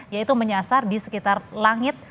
yaitu menyasar di sekitar langit